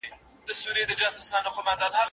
لنډۍ په غزل کي، پنځمه برخه